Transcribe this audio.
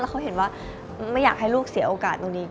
เขาเห็นว่าไม่อยากให้ลูกเสียโอกาสตรงนี้